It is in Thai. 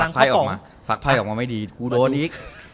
ฝากภัยออกมาฝากภัยออกมาไม่ดีกูโดนอีก